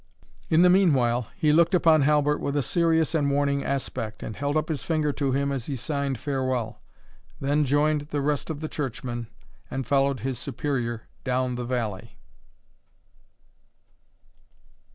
In the meanwhile, he looked upon Halbert with a serious and warning aspect, and held up his finger to him as he signed farewell. He then joined the rest of the churchmen, and followed his Superior down the valley.